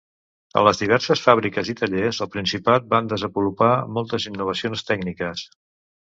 A les diverses fàbriques i tallers al principat va desenvolupar moltes innovacions tècniques.